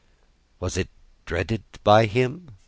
"Was it dreaded by him?"